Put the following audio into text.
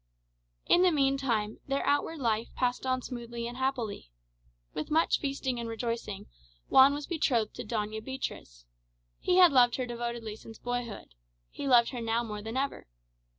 In the meantime their outward life passed on smoothly and happily. With much feasting and rejoicing, Juan was betrothed to Doña Beatriz. He had loved her devotedly since boyhood; he loved her now more than ever.